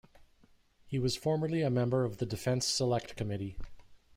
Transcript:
He was formerly a member of the Defence Select Committee.